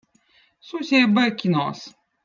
susi eb õõ kinoz